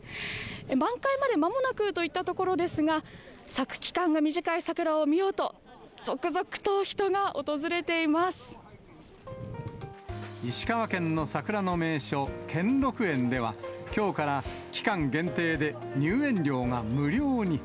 満開までまもなくといったところですが、咲く期間が短い桜を見よ石川県の桜の名所、兼六園では、きょうから期間限定で入園料が無料に。